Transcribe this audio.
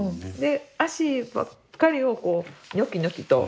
足ばっかりをニョキニョキと。